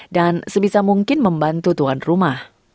dan sebisa mungkin membantu tuan rumah